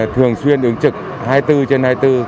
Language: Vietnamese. thường xuyên ứng trực hai mươi bốn trên hai mươi bốn